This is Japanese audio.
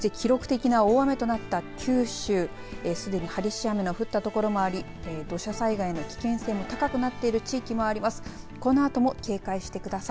そして記録的な大雨となった九州すでに激しい雨の降ったところもあり土砂災害の危険性も高くなっている地域もあります。